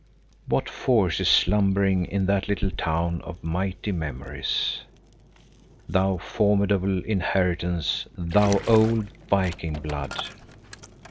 What force is slumbering in that little town of mighty memories! Thou formidable inheritance, thou old Viking blood!